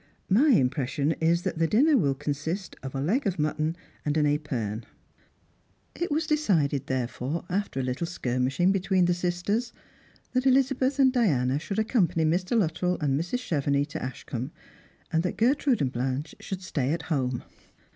My impression is, that the dinner will consis't of a leg of mutton and an epergne." It was decided therefore, after a little skirmishing between 102 Strangers and Pilgrims. the sisters, that Elizabeth and Diana should accompany Mk Luttrell and Mrs. Chevenix to Ashcombe, and that Gertrude and Blanche should stay at home.